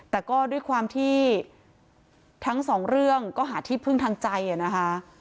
แต่ก็ด้วยความที่ทั้งสองเรื่องก็หาที่พึ่งทางใจนะคะ